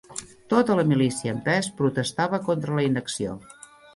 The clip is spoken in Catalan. Tota la milícia en pes protestava contra la inacció